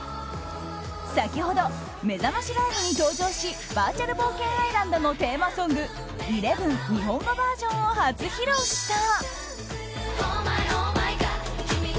先ほど、めざましライブに登場しバーチャル冒険アイランドのテーマソング「ＥＬＥＶＥＮ」日本語バージョンを初披露した。